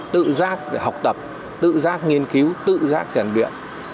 tự giác để học tập tự giác nghiên cứu tự giác tràn đuyện